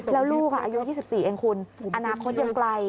แล้วลูกอายุ๒๔เองคุณอนาคตยังไกล